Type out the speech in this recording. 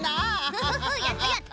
フフフやったやった！